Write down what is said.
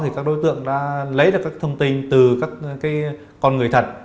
thì các đối tượng đã lấy được các thông tin từ các con người thật